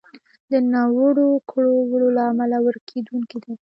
د ناوړو کړو وړو له امله ورکېدونکی دی.